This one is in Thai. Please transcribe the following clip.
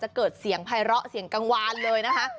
จะเกิดเสียงไพระเสียงกังวานเลยนะคะ